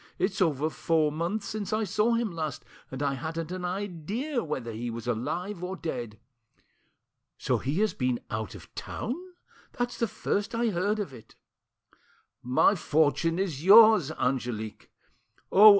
It's over four months since I saw him last, and I hadn't an idea whether he was alive or dead. So he has been out of town? That's the first I heard of it." "My fortune is yours, Angelique! Oh!